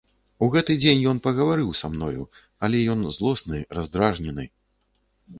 У гэты дзень ён пагаварыў са мною, але ён злосны, раздражнены.